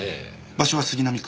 場所は杉並区。